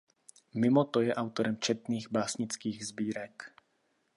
Mimoto je autorem četných básnických sbírek.